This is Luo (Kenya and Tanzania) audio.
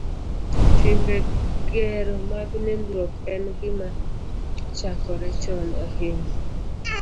Timbe gero mag nindruok en gima chakore chon ahinya